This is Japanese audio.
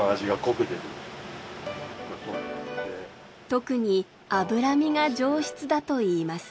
特に脂身が上質だといいます。